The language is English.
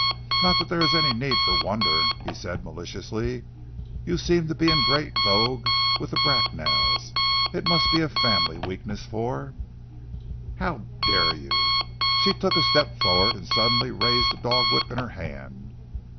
"Not that there is any need for wonder," he said maliciously. "You seem to be in great vogue with the Bracknells. It must be a family weakness for " "How dare you?" She took a step forward, and suddenly raised the dog whip in her hand.